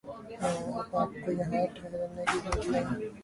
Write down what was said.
اب آپ کو یہاں ٹھہرنے کی ضرورت نہیں ہے